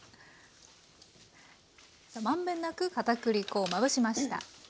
満遍なくかたくり粉をまぶしました。